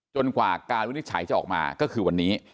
กว่าการวินิจฉัยจะออกมาก็คือวันนี้